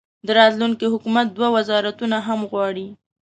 د راتلونکي حکومت دوه وزارتونه هم غواړي.